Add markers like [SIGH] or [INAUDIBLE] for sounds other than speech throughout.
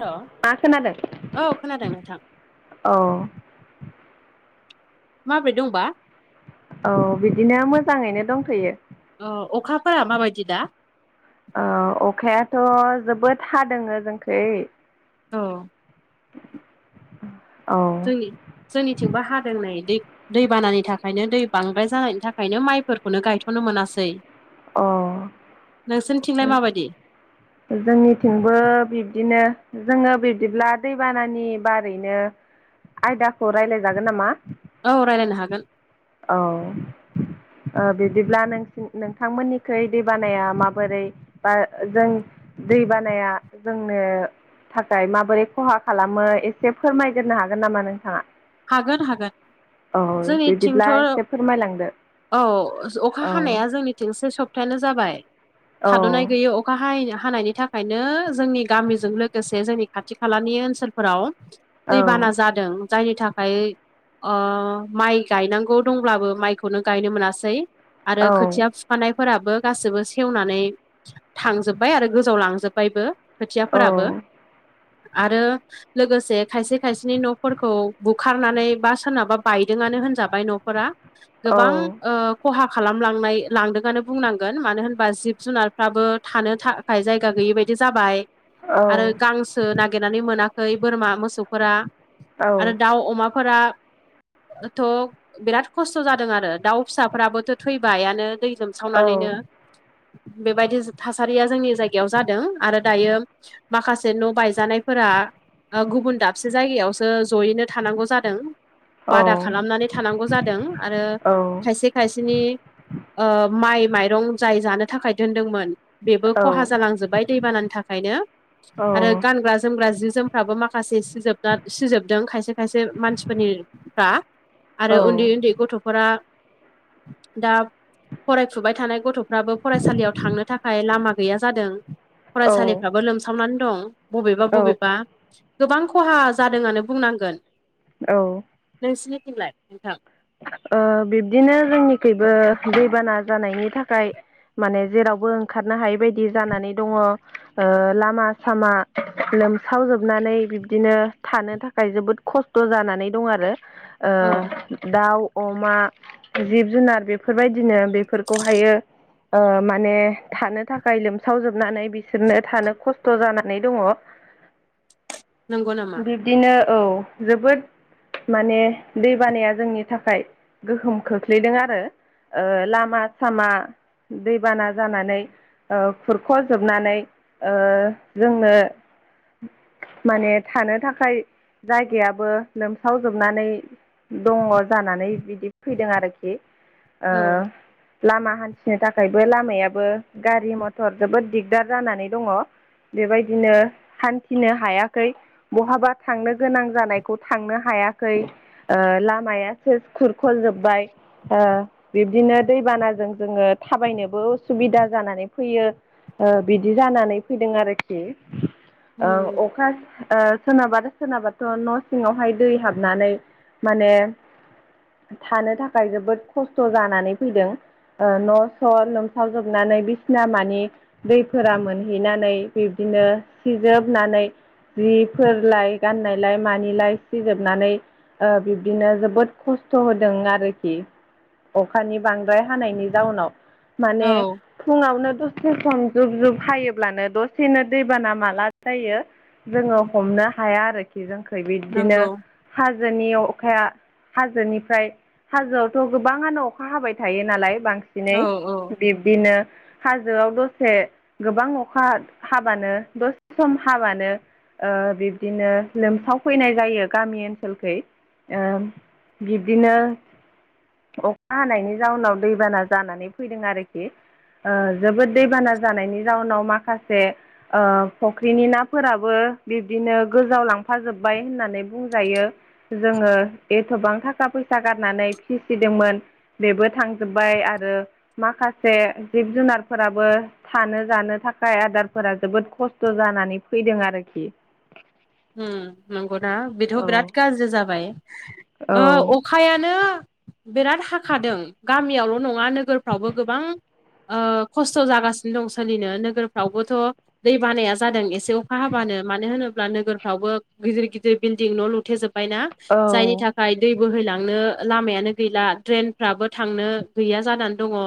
हेल' मा खोनादों औ खोनादों नोंथां औ माबोरै दंबा? औ बिदिनो मोजाङैनो दंथ'यो अ अखाफोरा माबायदि दा ओ अखायाथ' जोबोद हादोङो जोंखै औ औ जोंनि जोंनिथिंबो हादों नै दै दै बानानि थाखायनो दै बांद्राय जानायनि थाखायनो माइफोरखौनो गायथ'नो मोनासै अ नोंसोरनिथिंलाय माबादि जोंनिथिंबो बिब्दिनो जोङो बिब्दिब्ला दैबानानि बारैनो आयदाखौ रायलायजागोन नामा? औ रायलायनो हागोन औ ओ बिदिब्ला नोंसि नोंथांमोननिखै दैबानाया माबोरै? बा जों दै बानाया जोंनो थाखाय माबोरै खहा खालामो एसे फोरमायग्रोनो हागोन नामा नोंथाङा? हागोन हागोन औ जोंनिथिं बिदिब्ला थ'औ एसे फोरमायलांदो। सअखा औ हानाया जोंनिथि सो सप्तायानो जाबाय थाद'नाय गैैयो अखा हायै हानायनि थाखायनो जोंनि गामिजों लोगोसे जोंनि खाथि खालानि ओनसोल फोराव दैबाना जादों जायनि थाख ओमफाय ओ माइ गायनांगौ दंब्लाबो माइखौनो गायनो मोनासै आरो खोथिया फुखानायफोराबो गासैबो सेवनानै थांजोबबाय आरो गोजाव लांजोब्बायबो खोथियाफोराबो आरो लोगोसे खायसे खायसेनि न'फोरखौ बुखारनानै बा सोरनाबा बायदोंआनो होनजाबाय न'फोरा गोबां ओ खहा खालामलांनाय लांदोंआनो बुंनांगोन मानो होनबा जिब जुनारफ्राबो थानो था थाखाय जायगा गैयै बायदि जाबाय आरो गांसो सो नागिरनानै मोनाखै बोरमा मोसौफोरा आरो दाउ अमाफोरा थ' बिराद खस्थ' जादों आरो दाउ फिसाफोराबोथ' थैबायानो दै लोम सावनानैनो बेबायदि थासारिया जोंनि जायगायाव जादों आरो दायो माखासे न' बायजानायफोरा ओ गुबुन दाबसे जायगायावसो जयैनो थानांगौ जादों बादा खालामनानै थानांगौ जादों आरो खायसे खायसेनि ओ माइ माइरं जाय जानो थाखाय दोनदोंमोन बेबो खहा जालांजोब्बाय दैबानानि थाखायनो आरो गानग्रा जोमग्रा जि जोमफ्राबो माखासे सिजोबना सिजोबदों खायसे खायसे मानसिफोरनिफ्रा आरो उन्दै उन्दै गथ'फोरा दा फरायफुबाय थानाय गथ' फ्राबो फरायसालियाव थांनो थाखाय लामा गैया जादों फरायसालिफ्राबो लोमसावनानै दं बबेबा बबेबा गोबां खहा जादोंआनो बुंनांगोन। औ। नोंसिनि थिंलाय नोंथां? ओ बिब्दिनो जोंनिखैबो दैबाना जानायनि थाखाय। माने जेरावबो ओंखारनो हायै बायदि जानानै दङ। ओ लामा सामा लोमसावजोबनानै बिब्दिनो थानो थाखाय जोबोद खस्थ जानानै दं आरो ओ दाउ अमा जिब जुनार बेफोरबायदिनो बेफोरखौहायो ओ माने थानो थाखाय लोमसावजोबनानै बिसोरनो थानो खस्थ जानानै दङ। नोंगौ नामा। बिदिनो औ जोबोद माने दै बानाया जोंनि थाखाय गोहोम खोख्लैदों आरो। ओ लामा- सामा दैबाना जानानै। ओ खुरख जोबनानै ओ जोंनो। माने थानो थाखाय जायगायाबो लोमसावजोबनानै। दङ जानानै बिदि फैदों आरोखि ओ लामा हान्थिनो थाखायबो लामायाबो गारि मथर जोबोद दिगदार जानानै दङ। बेबायदिनो हान्थिनो हायाखै। बहाबा थांनो गोनां जानायखौ थांनो हायाखै। ओ लाम माया सेस खुरखजोब्बाय। ओ बिब्दिनो दैबानाजों जोङो थाबायनोबो उसुबिदा जानानै फैयो। ओ बिदि जानानै फैदों आरोखि। ओ उम अखा ओ सोरनाबा सोरनाबाथ न' सिङावहाय दै हाबनानै माने थानो थाखाय जोबोद खस्थ जानानै फैदों। ओ न' स लोमसावजोबनानै बिसिना मानि। दैफोरा मोनहैनानै बिब्दिनो सिजोबनानै। जिफोरलाय गाननायलाय मानिलाय सिजोबनानै। ओ बिब्दिनो जोब जोबोद खस्थ होदों आरोखि। अखानि बांद्राय हानायनि जाउनाव माने फुङावनो दसे सम जुब जुब हायोब्लानो दसेनो दैबाना माला जायो। जोङो हमनो हाया आरोखि। जोंखौ बिदिनो नंगौ हाजोनि अखाया। हाजोनिफ्राय हाजोआवथ गोबाङानो अखा हाबाय थायो नालाय। बांसिन औ औ दिनै बिब्दिनो। हाजोआव दसे गोबां अखा हाबानो दसे सम हाबानो ओ बिब्दिनो लोमसावफैनाय जायो। गामि ओनसोलखैओ बिब्दिनो अखा हानायनि जाउनाव दैबाना जानानै फैदों आरोखि। ओ जोबोद दैबाना जानायनि जाउनाव माखासे ओ फख्रिनि नाफोराबो बिब्दिनो गोजाव लांफाजोब्बाय होननानै बुंजायो। जोङो एथबां थाखा फैसा गारनानै फिसिदोंमोन। बेबो थांजोब्बाय। आरो माखासे जिब जुनारफोराबो थानो जानो थाखाय आदारफोरा जोबोद खस्थ जानानै फैदों आरोखि। हम नंगौना बेथ औ बिराद गाज्रि जाबाय। ओ औ। अखायानो बिराद हाखादों। गामियावल नङा नोगोरफ्रावबो गोबां ओ खस्थ जागासिनो दं। सोलिनो नोगोरफ्रावबोथ' दै बानाया जादों। एसे अखा हाबानो मानो होनोब्ला नोगोर फ्रावबो गिदिर गिदिर बिल्डिं न लुथेेजोब्बायना। जायनि था खाय दै बोहैलांनो लामायानो गैला। ड्रेनफ्राबो थांनो गैया जानानै दङ।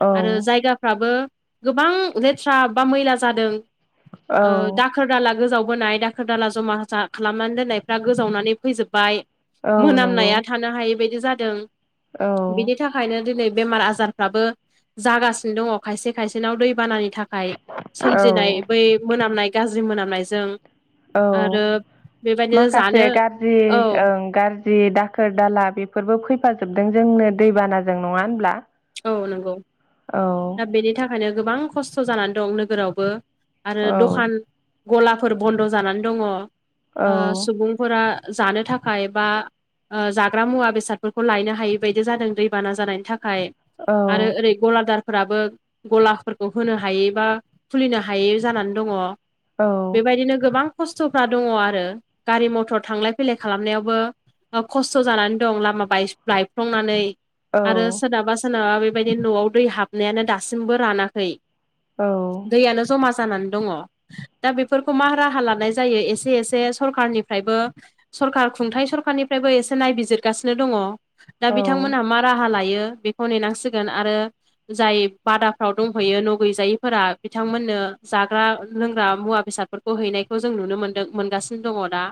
औ जायगाफ्राबो गोबां लेथ्रा बा मैला जादों। औ ओ दाखोर दाला गोजाव बोनाय दाख दाखोर दाला जमा जा खालामनानै दोननायफ्रा गोजावनानै फैजोबबाय औ नंगौ मोनामनाया था थानो हायै बायदि जादों औ बिनि थाखाय थाखायनो दिनै बेमार आजारफ्राबो जागासिनो दङ खायसे खायसेनाव दैबानानि थाख खाय सोमजिनाय औ बै मोनामनाय गाज्रि मोनामनायजों औ आरो बेबायदिनो माखासे जानो गाज्रि औ ओं गाज जि दाखोर दाला बेफोरबो फैफाजोबदों जोंनो दैबानाजों नङा होनब्ला औ नंगौ औ दा बेनि थाखायनो गोबां खस्थ' जानानै दं नोगोरावबो। आरो औ दखान गलाफोर बन्द' जानानै दङ ओ औ सुबुंफोरा जानो थाखाय बा ओ जाग्रा मुवा बेसादफोरखौ लायनो हायि बायदि जादों दैबाना जानायनि थाखाय औ आरो ओरै गलादारफोराबो गलाफोरखौ होनो हायै बा खुलिनो हायै जानानै दङ। औ बेबायदिनो गोबां खस्थ'फ्रा दङ आरो गारि मथर थांलाय फैलाय खालामनायावबो खस्थ' जानानै दं लामा बाय बायफ्लंनानै औ आरो सोरनाबा सोरनाबा बेबायदि न'आव दै हाबनायानो दासिमबो रानाखै। औ दैयानो जमा जानानै दङ। दा बेफोरखौ मा राहा लानाय जायो एसे एसे सरखारनिफ्रायबो सरखार खुंथाइ सरखारनिफ्रायबो एसे नायबिजिरगासिनो दङ। दा बिथांमोनहा मा राहा लायो बेखौ नेनांसिगोन आरो जाय बादाफ्राव दंहैयो न' गैजायैफोरा बिथांमोननो जाग्रा लोंग्रा मुवा बेसाद बेफोरखौ हैनायखौ जों नुनो मोनदों मोनगासिनो दा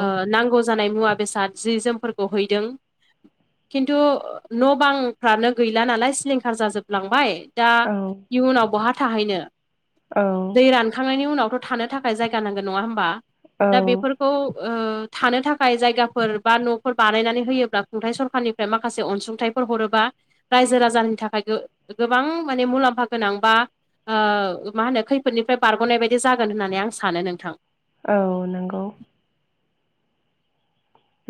ओ नांगौ जानाय मुवा बेसाद जि जोमफोरखौ हैदों खिन्थु न' बां थानो गैला नालाय सिलिंखार जाजोबलांबाय दा इयुनाव बहा थाहैनो औ औ दै रानखांनायनि उनावथ' थानो थाखाय जायगा नांगोन नङा होमबा दा औ बेफोर खौ ओ थानो थाखाय जायगाफोर बा न'फोर बानायनानै होयोब्ला खुंथाइ सरखारनि ओमफ्राय माखासे अनसुंथाइफोर हरोबा रायजो राजानि थाखाय गो गोबां माने मुलाम्फा गोनां बा ओ मा होनो खैफोदनिफ्राय बारग'नाय बायदि जागोन होननानै आं सानो नोंथां। औ नंगौ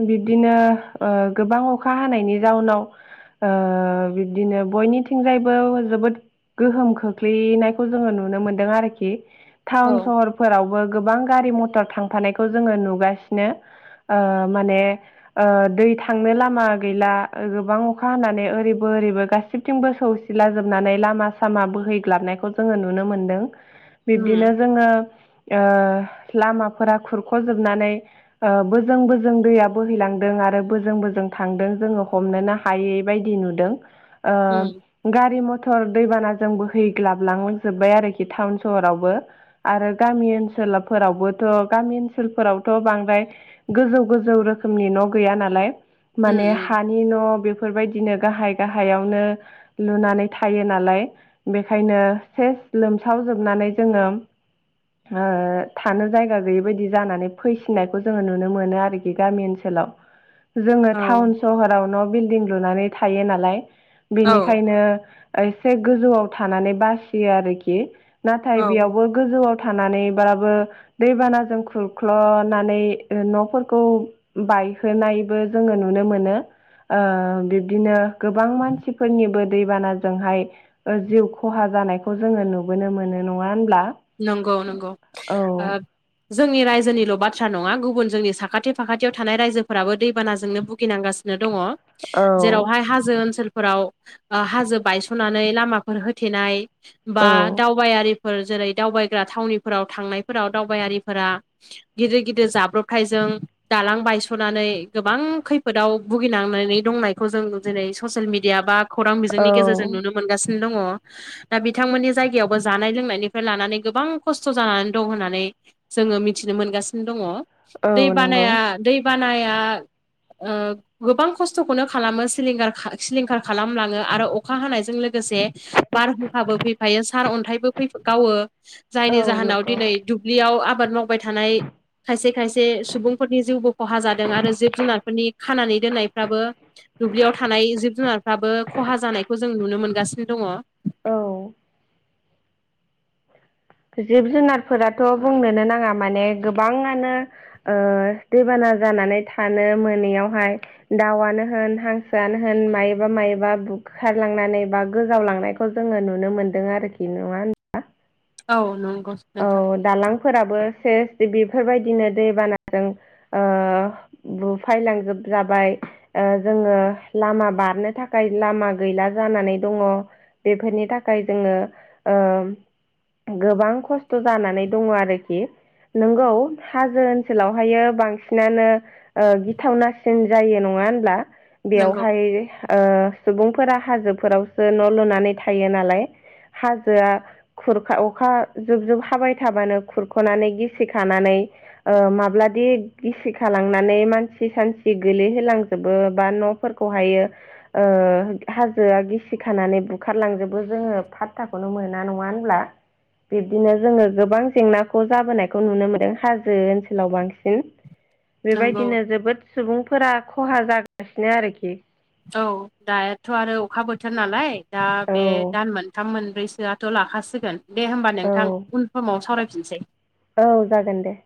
बिब्दिनो ओ गोबां अखा हानायनि जाउनाव ओ बिब्दिनो बयनिथिंजायबो जोबोद गोहोम खोख्लैनायखौ जोङो नुनो मोनदों आरोखि। औ टाउन सहरफोरावबो गोबां गारि मटर थांफानायखौ जोङो नुगासिनो ओ माने ओ दै थांनो लामा गैला गोबां अखा हानानै ओरैबो ओरैबो गास जेथिंबो सौसिलाजोबनानै लामा सामा बोहैग्लाबनायखौ जोङो नुनो मोनदों। बिब्दिनो उम जोङो ओ लामाफोरा खुरख'जोबनानै ओ बोजों बोजों जों दैया बोहैलांदों आरो बोजों बोजों थांदों जोङो हमनोनो हायै बायदि नुदों। उम ओ गारि मटर दैबानाजों बोहैग्लाबलांजोब्बाय आरोखि टाउन सहरावबो। आरो गामि ओनसोलफोरावबोथ' गामि ओनसोलफोरावथ' बांद्राय गोजौ गोजौ रोखोमनि न' गैया नालाय उम माने उम हानि नि न' बेफोरबायदिनो गाहाय गाहायावनो लुनानै थायो नालाय बेखायनो सेस लोमसावजोबनानै दोङो। ओ थानो जायगा गैयि बायदि जानानै फैफिननायखौ जोङो नुनो मोनो आरोखि। बि गामि ओनसोलाव जोङो औ टाउन सहराव न' बिल्डिं लुनानै थायो नालाय औ बेनिखायनो एसे गोजौआव थानानै बासियो आरोखि नाथाय औ बेयावबो गोजौआव थानानै बाबो दैबानाजों खुरख्ल'नानै ओ न' खौ बायहोनायबो जोंङो नुनो मोनो। ओ बिब्दिनो गोबां मानसिफोरनिबो दैबानाजोंहाय ओ जिउ खहा जानायखौ जोंङो नुबोनो मोनो नङा होनब्ला नंगौ नंगौ औ ओ जोंनि रायजोनिल' बाथ्रा नङा गुबुन जोंनि साखाथि फाखाथियाव थानाय रायजोफोराबो दैबानाजोंनो भुगिनांगासिनो दङ। औ जेरावहाय हाजो ओनसोलफोराव ओ हाजो बायस'नानै लामाफोर होथेनाय औ बा दावबायारिफोर जेरै दावबायग्रा थावनिफोराव थांनायफोराव दावबायारिफोरा गिदिर गिदिर जाब्रबथायजों दालां बायस'नानै गोबां खैफोदाव भुगिनांनानै दंनाय खौ जों जेरै ससियेल मिडिया बा खौरां औ बिजोंनि गेजेरजों नुनो मोनगासिनो दङ। दा बिथांमोननि जायगायावबो जानाय लोंनायनि फ्राय लानानै गोबां खस्थ' जानानै दं होननानै जोंङो मिथिनो मोनगासिनो दङ। दै बानाया दै बानाया ओ गोबां खस्थ'खौनो खालामो सिलिंगार सिलिंखार खालामलाङो आरो अखा हानायजों लोगोसे बारहुंखाबो फैफायो सार अन्थाइबो फै गावो जायनि औ जाहोनाव नंगौ दिनै दुब्लियाव आबाद मावबाय थानाय खायसे खायसे सुबुंफोरनि जिउबो खहा जादों आरो जिब जुनारफोरनि खानानै दोननायफ्राबो दुब्लियाव थानाय जिब जुनारफ्राबो खहा जानायखौ जों नुनो मोनगासिनो दङ। औ जिब जुनारफोराथ' बुंनोनो नाङा माने गोबाङानो ओ दैबाना जानानै थानो मोनैयावहाय दाउआनो होन हांसोआनो होन मायोबा मायोबा बुखारलांनानै बा गोजावलांनायखौ जोंङो नुनो मोनदों आरोखि नङा औ नंगौ नोंथां। औ दालांफोराबो सेस बेदि बेफोरबायदिनो दैबानाजों ओ बुफायलांजोब जाबाय। ओ जोंङो लामा बारनो थाखाय लामा गैला जानानै दङ। बेफोरनि थाखाय जोंङो ओ गोबां खस्थ' खस्थ' जानानै दङ आरोखि नोंगौ हाजो ओनसोलावहायो बांसिनानो गिथावनासिन जायो नङा होनब्ला नंगौ बेवहाय ओ सुबुंफोरा हाजोफोरावसो न' लुनानै थायो नालाय हाजोआ खुरखा अखा जुब जुब हाबाय थाबानो खुरख'नानै गिसिखानानै ओ माब्लादि गिसिखालांनानै मानसि सानसि गोलैहोलांजोबो बा न' फोरखौ हायो ओ हाजोआ गिसि खानानै बुखारलांजोबो जोंङो फात्ताखौनो मोना नङा होनब्ला बिब्दिनो जोंङो गोबां जेंनाखौ जाबोनायखौ नुनो मोनदों हाजो ओनसोलाव बांसिन। [INAUDIBLE] बेबायदिनो जोबोद सुबुंफोरा खहा जागासिनो आरोखि औ दायाथ' आरो अखा बोथोर नालाय दा औ बे दान मोनथाम मोनब्रैसोआ थ' लाखाासिगोन दे होमबा औ नोंथां उन समाव सावरायफिनसै। औ जागोन दे।